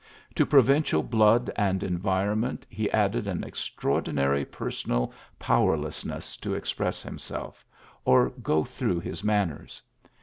' provincial blood and environment added an extraordinary perspnal pow< lessness to express himself or go throu. his manners.